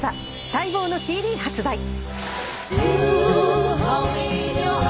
待望のＣＤ発売。